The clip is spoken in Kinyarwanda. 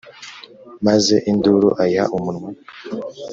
maze induru ayiha amunwa,